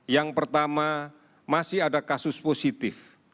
yang pertama masih ada kasus positif